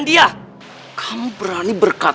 ini diberi anggaran untuk ei blessings